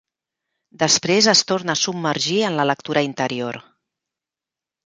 Després es torna a submergir en la lectura interior.